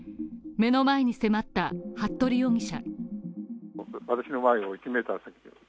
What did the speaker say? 目の前に迫った服部容疑者。